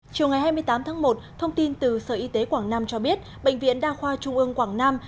chiều ngày hai mươi tám tháng một thông tin từ sở y tế quảng nam cho biết bệnh viện đa khoa trung ương quảng nam